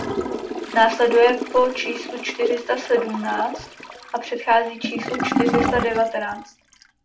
Následuje po číslu čtyři sta sedmnáct a předchází číslu čtyři sta devatenáct.